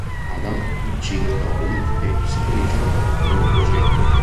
Adam uccide Doyle, e seppellisce il corpo nel roseto.